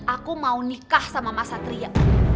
aku mau nikah sama mas satria